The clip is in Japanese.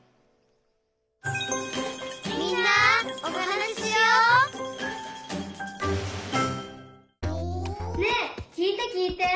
「みんなおはなししよう」ねえきいてきいて。